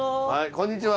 こんにちは。